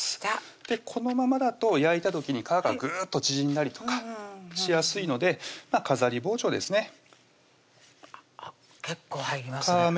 このままだと焼いた時に皮がグーッと縮んだりとかしやすいので飾り包丁ですね結構入りますね